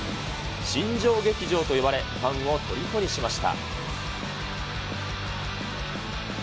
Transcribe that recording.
新庄劇場と呼ばれ、ファンをとりこにしました。